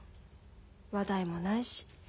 話題もないし。